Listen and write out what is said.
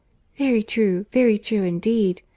"Very true, very true, indeed.